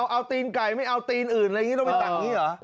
เอาตีนไก่ไม่เอาตีนอื่นอะไรอย่างนี้เราไปตักอย่างนี้เหรอ